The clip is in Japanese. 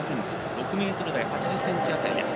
６ｍ８０ｃｍ辺りです。